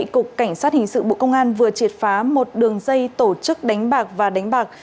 cục cảnh sát hình sự bộ công an vừa triệt phá một đường dây tổ chức đánh bạc và đánh bạc